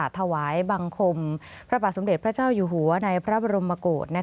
ถวายบังคมพระบาทสมเด็จพระเจ้าอยู่หัวในพระบรมโกศ